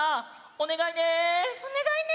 おねがいね。